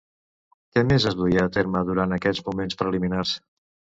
Què més es duia a terme durant aquests moments preliminars?